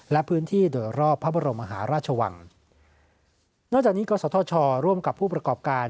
และพื้นที่โดยรอบพระบรมมหาราชวังนอกจากนี้กศธชร่วมกับผู้ประกอบการ